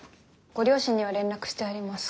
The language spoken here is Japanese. ご両親には連絡してあります。